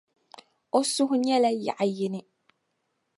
O suhu nyɛla yaɣ’ yini.